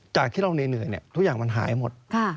จากที่เราเหนื่อยทุกอย่างมันหายหมด